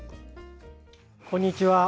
こんにちは。